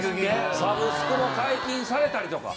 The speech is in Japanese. サブスクも解禁されたりとか。